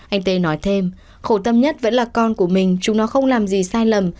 anh tê nói thêm khổ tâm nhất vẫn là con của mình chúng nó không làm gì sai lầm